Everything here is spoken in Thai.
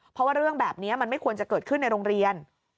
เพราะว่าเรื่องแบบนี้มันไม่ควรจะเกิดขึ้นในโรงเรียน